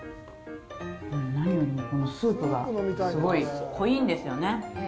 もう何よりもこのスープがすごい濃いんですよね。